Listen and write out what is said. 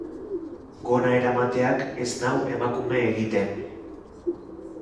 Gona eramateak ez nau emakume egiten.